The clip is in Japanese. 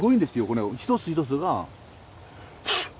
この一つ一つが。